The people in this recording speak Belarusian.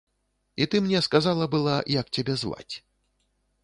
І ты мне сказала была, як цябе зваць.